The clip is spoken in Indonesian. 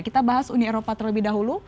kita bahas uni eropa terlebih dahulu